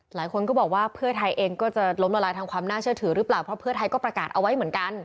หลายคนก็บอกว่าเพื่อไทยเองก็จะล้มละลายทางความน่าเชื่อถือหรือเปล่าเพราะเพื่อไทยก็ประกาศเอาไว้เหมือนกัน